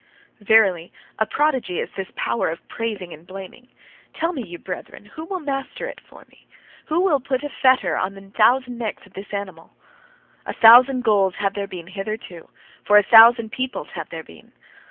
Verily, a prodigy is this power of praising and blaming. Tell me, ye brethren, who will master it for me? Who will put a fetter upon the thousand necks of this animal? A thousand goals have there been hitherto, for a thousand peoples have there been.